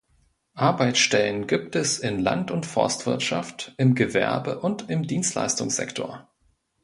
Arbeitsstellen gibt es in Land- und Forstwirtschaft, im Gewerbe und im Dienstleistungssektor.